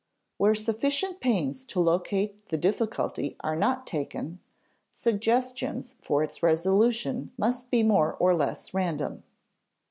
Where sufficient pains to locate the difficulty are not taken, suggestions for its resolution must be more or less random.